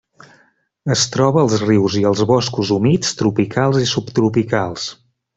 Es troba als rius i als boscos humits tropicals i subtropicals.